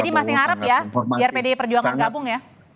jadi masih harap ya biar pdi perjuangan gabung ya